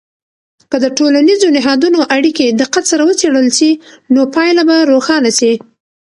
که د ټولنیزو نهادونو اړیکې دقت سره وڅیړل سي، نو پایله به روښانه سي.